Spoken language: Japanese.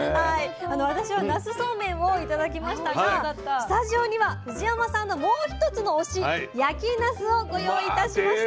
私はなすそうめんを頂きましたがスタジオには藤山さんのもう１つの推し焼きなすをご用意いたしました。